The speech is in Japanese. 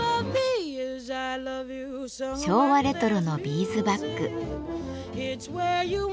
昭和レトロのビーズバッグ。